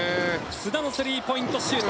須田のスリーポイントシュート。